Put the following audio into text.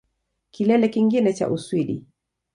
Kilele kingine cha Uswidi